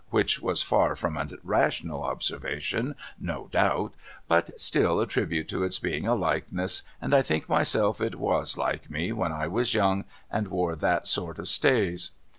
which was far from a rational observation no doubt but still a tribute to its being a likeness, and I think myself it was like me when I was young and wore that sort of stays.